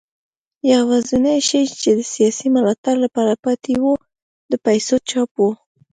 یوازینی شی چې د سیاسي ملاتړ لپاره پاتې و د پیسو چاپ و.